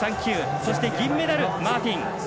そして銀メダル、マーティン。